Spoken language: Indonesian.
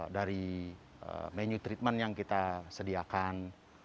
dari menu treatment yang kita sediakan